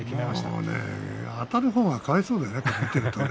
もう、あたる方がかわいそうだよね。